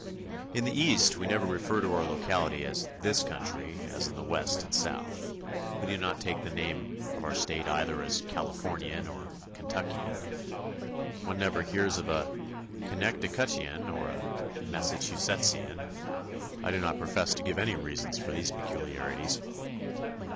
In the East we never refer to our locality as "this country," as in the West and South. We do not take the name of our state either as "Californian" or "Kentuckian." One never hears of a "Connecticutian" or a "Massachusettisian." I do not profess to give any reasons for these peculiarities.